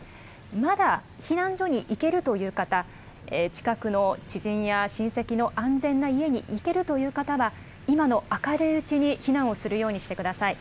まだ避難所に行けるという方、近くの知人や親せきの安全な家に行けるという方は、今の明るいうちに避難をするようにしてください。